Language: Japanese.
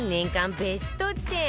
ベスト１０